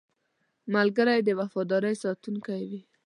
ملګری د وفادارۍ ساتونکی وي